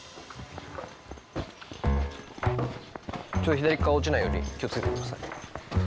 左側落ちないように気をつけてくださいね。